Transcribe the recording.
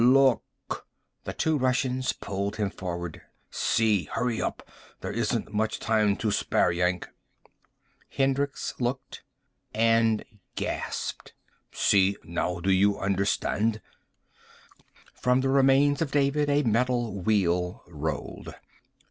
"Look!" The two Russians pulled him forward. "See. Hurry up. There isn't much time to spare, Yank!" Hendricks looked. And gasped. "See now? Now do you understand?" From the remains of David a metal wheel rolled.